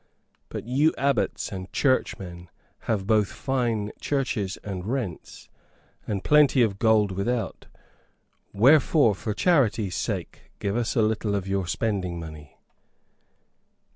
But you abbots and churchmen have both fine churches and rents, and plenty of gold without. Wherefore, for charity's sake, give us a little of your spending money."